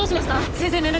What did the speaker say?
先生に連絡！